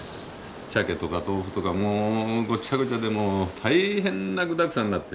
しゃけとか豆腐とかもうごちゃごちゃでもう大変な具だくさんになって。